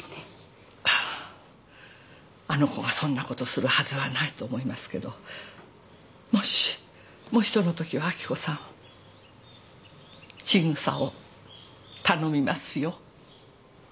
あの子がそんなことするはずはないと思いますけどもしもしそのときは明子さん千草を頼みますよ。